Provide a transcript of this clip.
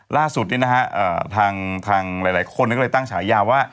ล่าสุดทางหลายคนก็เลยตั้งฉายาว่า